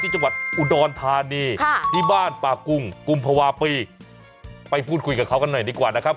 จังหวัดอุดรธานีที่บ้านป่ากุงกุมภาวะปีไปพูดคุยกับเขากันหน่อยดีกว่านะครับ